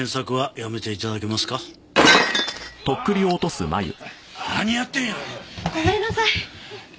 ごめんなさい。